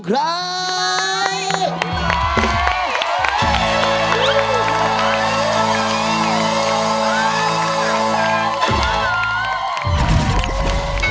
ขอบคุณครับ